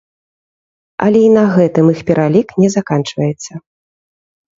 Але і на гэтым іх пералік не заканчваецца.